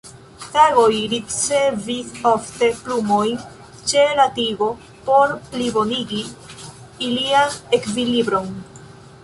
Sagoj ricevis ofte plumojn ĉe la tigo por plibonigi ilian ekvilibron.